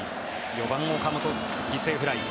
４番、岡本、犠牲フライ。